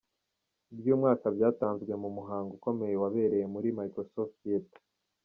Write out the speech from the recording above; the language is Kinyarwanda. Iby’uyu mwaka byatanzwe mu muhango ukomeye wabereye muri Microsoft Theater.